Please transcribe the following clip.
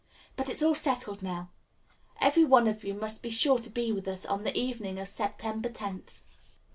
But it's all settled now. Every one of you must be sure to be with us on the evening of September tenth."